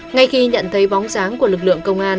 ngay khi nhận thấy bóng dáng của lực lượng công an